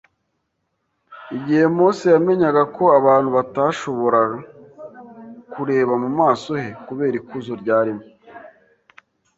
Igihe Mose yamenyaga ko abantu batashobora kureba mu maso he kubera ikuzo ryarimo